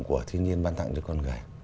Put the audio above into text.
của thiên nhiên ban tặng cho con người